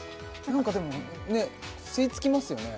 何かでもねっ吸い付きますよね